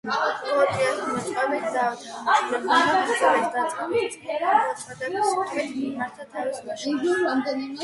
გოტიეს მოწმობით, დავით აღმაშენებელმა ბრძოლის დაწყების წინ მოწოდების სიტყვით მიმართა თავის ლაშქარს.